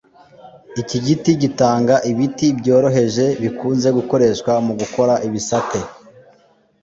iki giti, gitanga ibiti byoroheje bikunze gukoreshwa mugukora ibisate